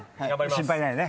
心配ないよね。